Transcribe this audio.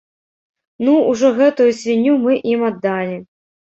Ну, ўжо гэтую свінню мы ім аддалі.